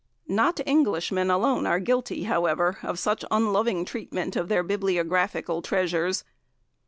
Not Englishmen alone are guilty, however, of such unloving treatment of their bibliographical treasures.